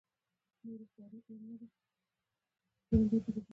له سلو اتلسو څوکیو څخه یې سلو شلو ګټلې وې.